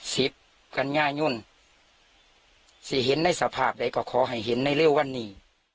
เสียบที่การง่ายหนึ่งที่เห็นในสภาพก็ขอให้เห็นในเรื่องวันนี้